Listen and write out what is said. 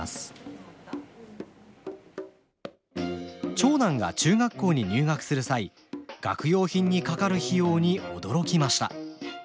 長男が中学校に入学する際学用品にかかる費用に驚きました。